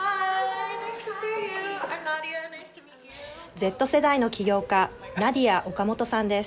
Ｚ世代の起業家ナディア・オカモトさんです。